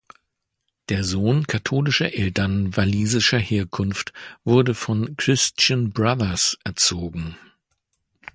Der Sohn katholischer Eltern walisischer Herkunft wurde von Christian Brothers erzogen.